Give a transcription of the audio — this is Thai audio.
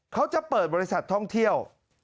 เขาจะเปิดบริษัทท่องเที่ยว